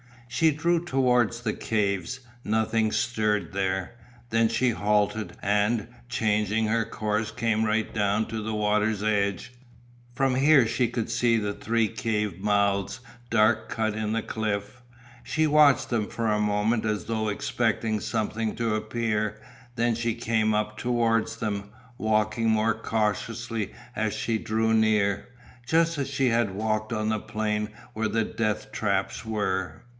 She drew towards the caves. Nothing stirred there. Then she halted and, changing her course, came right down to the water's edge. From here she could see the three cave mouths dark cut in the cliff. She watched them for a moment as though expecting something to appear, then she came up towards them, walking more cautiously as she drew near, just as she had walked on the plain where the death traps were.